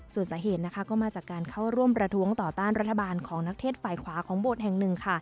ส่วนสาเหตุนะคะก็มาจากการเข้าร่วมประท้วงต่อต้านรัฐบาลของนักเทศฝ่ายขวาของโบสถ์แห่งหนึ่งค่ะ